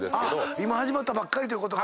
今始まったばっかりってことか。